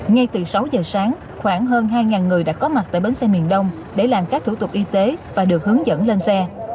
ngay từ sáu giờ sáng khoảng hơn hai người đã có mặt tại bến xe miền đông để làm các thủ tục y tế và được hướng dẫn lên xe